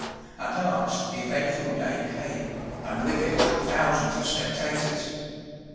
At last the eventful day came, and with it thousands of spectators.